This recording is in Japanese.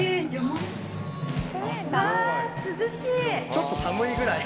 ちょっと寒いぐらい。